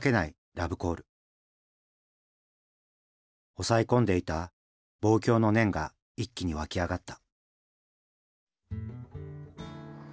押さえ込んでいた望郷の念が一気に湧き上がった。